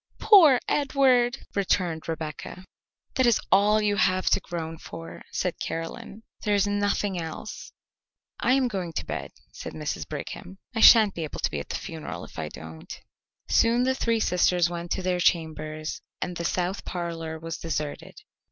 "Poor Edward," returned Rebecca. "That is all you have to groan for," said Caroline. "There is nothing else." "I am going to bed," said Mrs. Brigham. "I sha'n't be able to be at the funeral if I don't." Soon the three sisters went to their chambers and the south parlour was deserted.